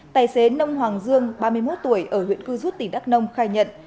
tài xế nông hoàng dương ba mươi một tuổi ở huyện cư rút tỉnh đắk nông khai nhận